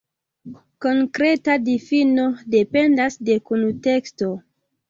Konkreta difino dependas de kunteksto.